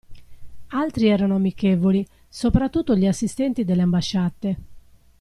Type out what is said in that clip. Altri erano amichevoli, soprattutto gli assistenti delle ambasciate.